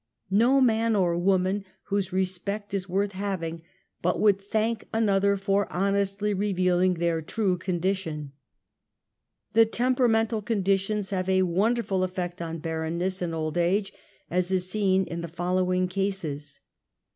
'No man or woman whose respect is worth having, but would thank another for hon estly revealing their true condition. The temperamental conditions have a wonderful eftect on barrenness in old age, as is seen in the fol lowing cases.